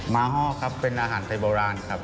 ห้อครับเป็นอาหารไทยโบราณครับ